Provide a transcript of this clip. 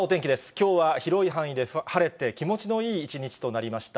きょうは広い範囲で晴れて、気持ちのいい一日となりました。